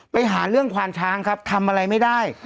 ไปหาเรื่องควานช้างครับทำอะไรไม่ได้